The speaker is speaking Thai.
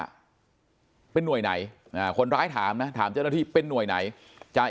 ว่าเป็นหน่วยไหนอ่าคนร้ายถามนะถามเจ้าหน้าที่เป็นหน่วยไหนจะ